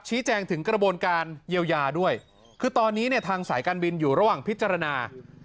ชี้แจงถึงกระบวนการเยียวยาด้วยคือตอนนี้เนี่ยทางสายการบินอยู่ระหว่างพิจารณา